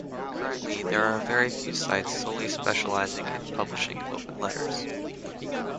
Currently there are very few sites solely specialising in publishing open letters.